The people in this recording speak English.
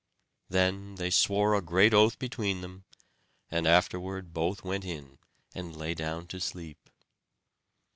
Then they swore a great oath between them; and afterward both went in, and lay down to sleep.